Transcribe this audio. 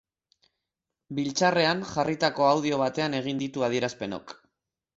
Biltzarrean jarritako audio batean egin ditu adierazpenok.